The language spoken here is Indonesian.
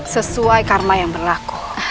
sesuai karma yang berlaku